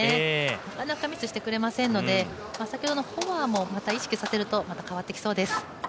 なかなかミスしてくれませんので先ほどのフォアもまた意識させるとまた変わっていきそうです。